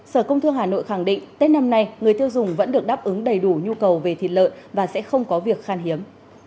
sở công thương hà nội khẳng định tết năm nay người tiêu dùng vẫn được đáp ứng đầy đủ nhu cầu về thịt lợn và sẽ không có việc khan hiếm